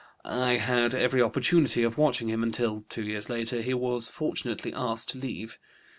I had every opportunity of watching him until, two years later, he was fortunately asked to leave.